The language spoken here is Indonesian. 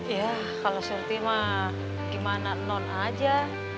yah kalo surti mah gimana non aja